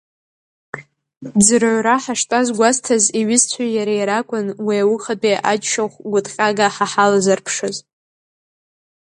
Ӡрыҩра ҳаштәаз гәазҭаз иҩызцәеи иареи ракәын уи аухатәи аџьшьахә гәыҭҟьага ҳа ҳалазырԥшыз!